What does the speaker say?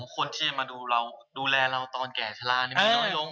คนที่มาดูแลเราตอนแก่ชะลามีน้อยลง